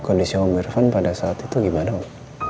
kondisi om irfan pada saat itu gimana om